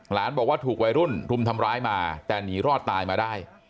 บอกว่าถูกวัยรุ่นรุมทำร้ายมาแต่หนีรอดตายมาได้